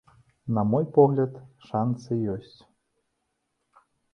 На мой погляд, шанцы ёсць.